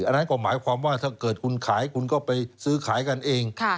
อันนั้นก็หมายความว่าถ้าเกิดคุณขายคุณก็ไปซื้อขายกันเอง